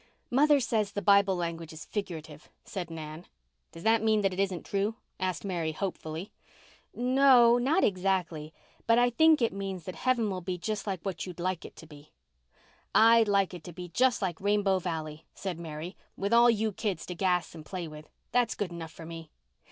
"Mother says the Bible language is figurative," said Nan. "Does that mean that it isn't true?" asked Mary hopefully. "No—not exactly—but I think it means that heaven will be just like what you'd like it to be." "I'd like it to be just like Rainbow Valley," said Mary, "with all you kids to gas and play with. That's good enough for me.